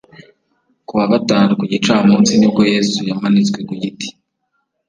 Ku wa Gatanu ku gicamunsi ni bwo Yesu yamanitswe ku giti